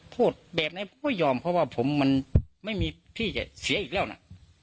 พูดแบบไหนผมก็ยอมเพราะว่าผมมันไม่มีที่จะเสียอีกแล้วนะ